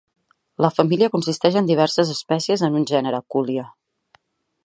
La família consisteix en diverses espècies en un gènere, Kuhlia.